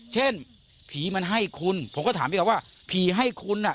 เช่นผีมันให้คุณผมก็ถามพี่เขาว่าผีให้คุณอ่ะ